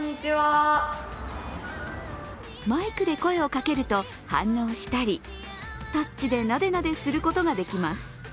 マイクで声をかけると反応したり、タッチでなでなですることができます。